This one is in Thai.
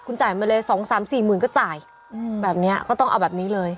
คุณจ่ายมาเลย๒๓๔๐๐๐๐บาทก็ต้องออกแบบนี้เลย